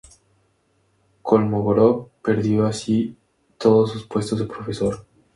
Kolmogórov perdió así todos sus puestos de profesor.